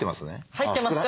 入ってますか？